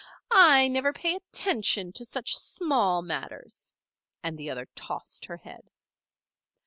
I never pay attention to such small matters," and the other tossed her head.